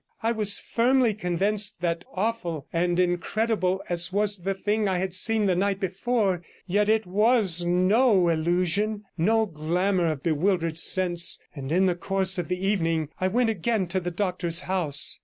I was firmly convinced that awful and incredible as was the thing I had seen the night before, yet it was no illusion, no glamour of bewildered sense, and in the course of the evening I went again to the doctor's house.